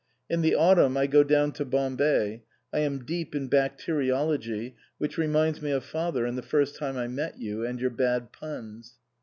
In the autumn I go down to Bombay. I am deep in bacteriology, which reminds me of father and the first time I met you, and your bad puns."